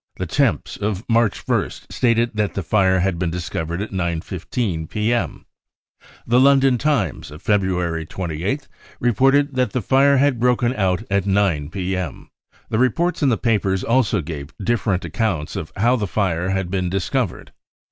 The Temps of March 1st stated that the fire had been discovered at 9.15 p.m. The London Times of February 28th reported that the fire had broken out at 9 p.m. The reports in the papers also gave different accounts of how the fire had been discovered.